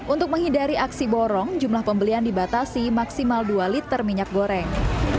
untuk menghindari aksi borong jumlah pembelian dibatasi maksimal dua liter minyak goreng